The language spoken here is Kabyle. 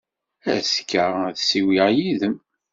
Azekka, ad ssiwleɣ yid-m.